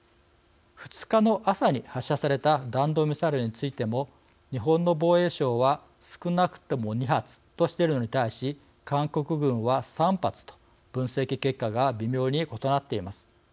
２日の朝に発射された弾道ミサイルについても日本の防衛省は少なくとも２発としているのに対し韓国軍は３発と分析結果が微妙に異なっています。